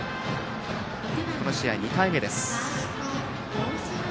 この試合２回目です。